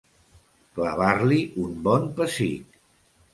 Clavar-li un bon pessic.